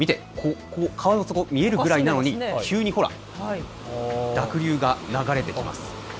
川底が見えるくらいなのに急に濁流が流れていきます。